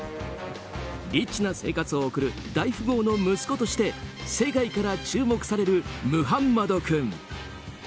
リッチな生活を送る大富豪の息子として世界から注目されるムハンマド君。